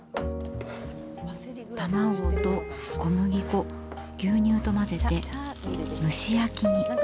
卵と小麦粉、牛乳と混ぜて蒸し焼きに。